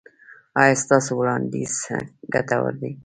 ایا ستاسو وړاندیز ګټور دی؟